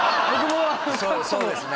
そうですよね